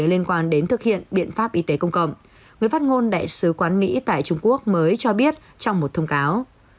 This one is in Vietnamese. liên quan đến thực hiện biện pháp y tế công cộng người phát ngôn đại sứ quán mỹ tại trung quốc mới cho biết trong một thông cáo